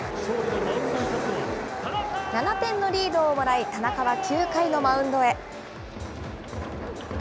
７点のリードをもらい、田中は９回のマウンドへ。